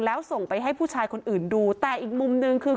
แล้วส่งไปให้ผู้ชายคนอื่นดูแต่อีกมุมหนึ่งคือ